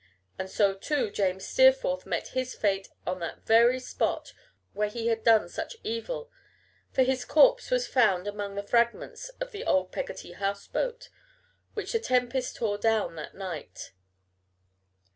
And so, too, James Steerforth met his fate on the very spot where he had done such evil, for his corpse was found among the fragments of the old Peggotty house boat, which the tempest tore down that night.